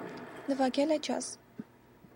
Նվագել է ջազ։